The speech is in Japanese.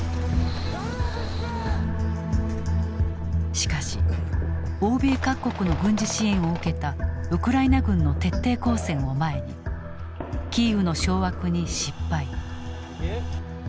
しかし欧米各国の軍事支援を受けたウクライナ軍の徹底抗戦を前にキーウの掌握に失敗。